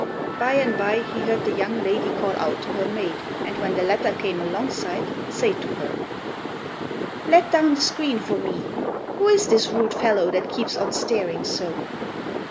By and by he heard the young lady call out to her maid, and, when the latter came alongside, say to her, "Let down the screen for me. Who is this rude fellow that keeps on staring so?"